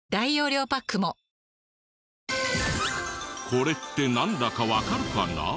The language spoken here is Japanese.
これってなんだかわかるかな？